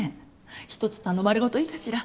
ひとつ頼まれごといいかしら？